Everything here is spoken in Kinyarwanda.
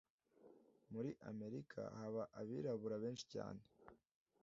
Muri amerika haba abirabura benshi cyane